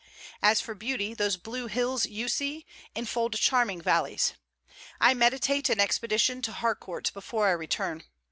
As for beauty, those blue hills you see, enfold charming valleys. I meditate an expedition to Harcourt before I return.